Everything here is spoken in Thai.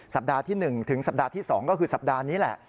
สัปดาห์ที่๑ถึงสัปดาห์ที่๒ก็คือสัปดาห์นี้แหละ